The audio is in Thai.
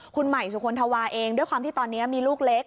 คุณใหม่สุคลธวาเองด้วยความที่ตอนนี้มีลูกเล็ก